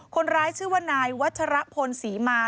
คนร้ายชื่อว่านายวัชรพลศรีมา